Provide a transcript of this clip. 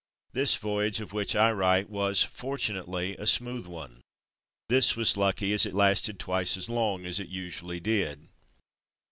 This voyage of which I write waS;^ fortu nately, a smooth one: this was lucky as it lasted twice as long as it usually did.